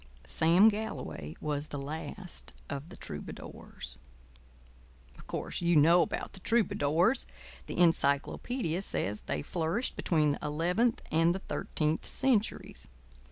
Sam Galloway was the Last of the Troubadours. Of course you know about the troubadours. The encyclopædia says they flourished between the eleventh and the thirteenth centuries.